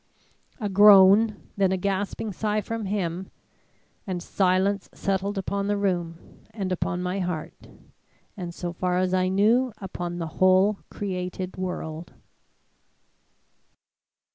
"A groan; then a gasping sigh from him, and silence settled upon the room and upon my heart and so far as I knew upon the whole created world.